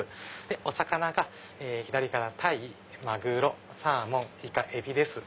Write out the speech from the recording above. お魚が左からタイマグロサーモンイカエビです。